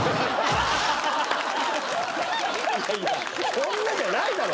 そんなじゃないだろ！